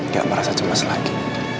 gak merasa cemas lagi